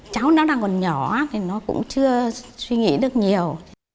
cháu nó đang còn nhỏ thì nó cũng chưa suy nghĩ được nhiều